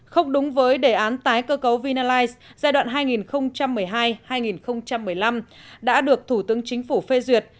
không đúng với đề án tái cơ cấu vinalize giai đoạn hai nghìn một mươi hai hai nghìn một mươi năm đã được thủ tướng chính phủ phê duyệt